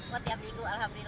buat tiap minggu alhamdulillah